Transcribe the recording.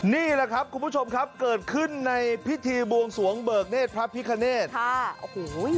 นี่แหละครับผู้ชมครับเกิดขึ้นในพิธีบวงส้วงเบิร์กเนธพระพิธรณ